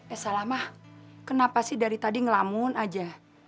eh salahmah kenapa sih dari tadi ngelamun aja